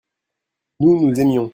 nous, nous aimions.